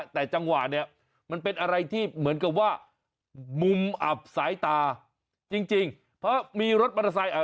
แต่จังหวะเนี่ยมันเป็นอะไรที่เหมือนกับว่ามุมอับสายตาจริงจริงเพราะมีรถมอเตอร์ไซค์อ่ะ